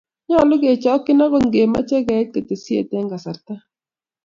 Nyolu kechokchi angot kemoche keit ketesyet eng kasarta.